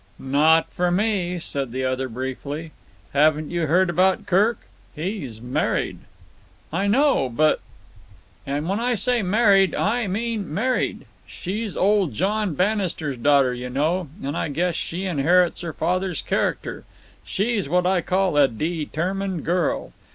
"Not for me," said the other briefly. "Haven't you heard about Kirk? He's married!" "I know—but——" "And when I say married, I mean married. She's old John Bannister's daughter, you know, and I guess she inherits her father's character. She's what I call a determined girl.